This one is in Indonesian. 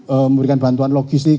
memberikan bantuan logistik